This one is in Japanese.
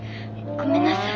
ごめんなさい。